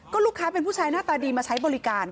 ลูกค้าเป็นผู้ชายหน้าตาดีมาใช้บริการ